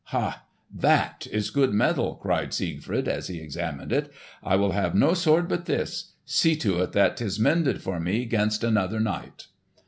"Ha! that is good metal!" cried Siegfried, as he examined it. "I will have no sword but this. See to it that 'tis mended for me 'gainst another night."